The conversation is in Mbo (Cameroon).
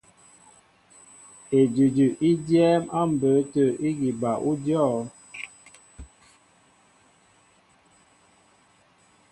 Edʉdʉ í dyɛ́ɛ́m á mbə̌ tə̂ ígi bal ú dyɔ̂.